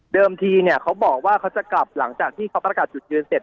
ทีเนี่ยเขาบอกว่าเขาจะกลับหลังจากที่เขาประกาศจุดยืนเสร็จ